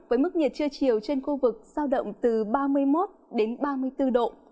với mức nhiệt trưa chiều trên khu vực sao động từ ba mươi một đến ba mươi bốn độ